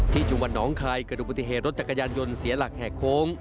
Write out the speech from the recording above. ที่จุงวันน้องไข่เกิดดูบุติเหตุรถจักรยานยนต์เสียหลักแหกโครง